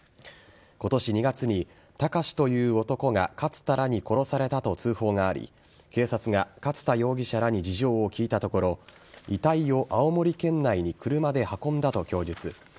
今年２月にたかしという男が勝田らに殺されたと通報があり警察が勝田容疑者らに事情を聴いたところ遺体を青森県内に車で運んだと供述。